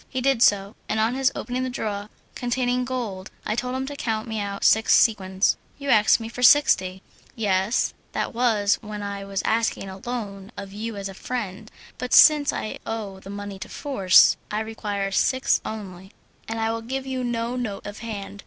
He did so, and on his opening a drawer containing gold, I told him to count me out six sequins. "You asked me for sixty." "Yes, that was when I was asking a loan of you as a friend; but since I owe the money to force, I require six only, and I will give you no note of hand.